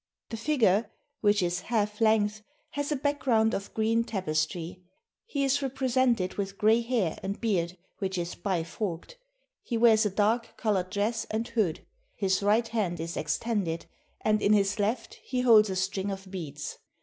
The figure, which is half length, has a background of green tapestry. He is represented with gray hair and beard, which is bi forked; he wears a dark coloured dress and hood, his right hand is extended, and in his left he holds a string of beads.